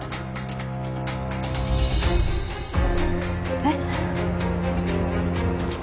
えっ？